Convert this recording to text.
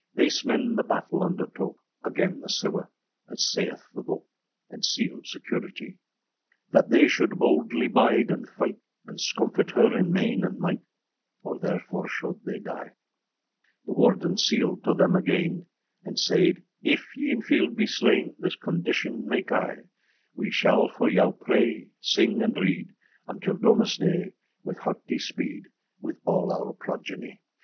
Theis men the battel undertoke Agen the sewe, as saythe the boke, And sealed securitye, That they shold boldly bide and fyghte, And scomfit her in maine and myghte, Or therfor sholde they dye. The Warden sealed toe thayme againe, And sayde, âIf ye in fielde be slaine, This condition make I: âWee shall for yow praye, syng, and reade, Until Domesdaye wyth heartye speede, With al our progenie.